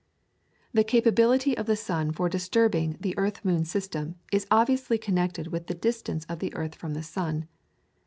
The capability of the sun for disturbing the earth moon system is obviously connected with the distance of the earth from the sun.